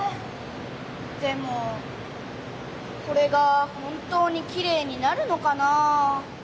でもこれが本当にきれいになるのかなあ？